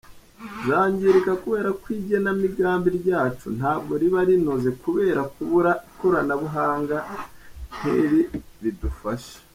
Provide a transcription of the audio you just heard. Zangirika kubera ko igenamigambi ryacu ntabwo riba rinoze kubera kubura ikoranabuhanga nk’iri ridufasha.